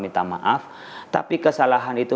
minta maaf tapi kesalahan itu